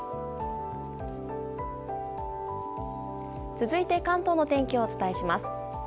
続いて関東の天気をお伝えします。